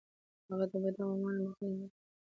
هغه د بدو عواملو مخه نیوله.